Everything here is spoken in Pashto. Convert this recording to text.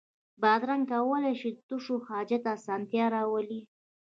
بادرنګ کولای شي د تشو حاجت اسانتیا راولي.